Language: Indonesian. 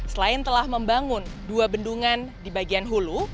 selain telah membangun dua bendungan di bagian hulu